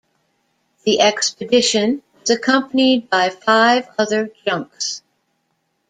The expedition was accompanied by five other junks.